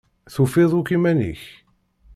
Tufiḍ akk iman-ik?